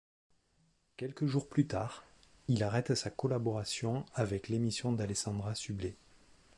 Quelques jours plus tard, il arrête sa collaboration avec l'émission d'Alessandra Sublet.